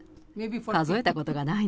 数えたことがないの。